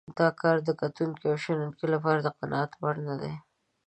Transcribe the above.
دا کار د کتونکو او شنونکو لپاره د قناعت وړ نه دی.